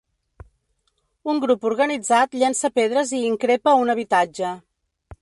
Un grup organitzat llença pedres i increpa un habitatge.